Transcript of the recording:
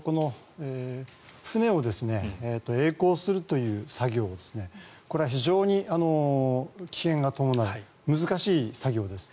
船をえい航するという作業はこれは非常に危険が伴う難しい作業です。